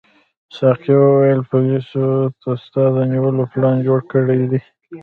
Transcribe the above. ساقي وویل پولیسو ستا د نیولو پلان جوړ کړی دی.